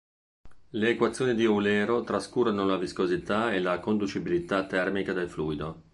Le equazioni di Eulero trascurano la viscosità e la conducibilità termica del fluido.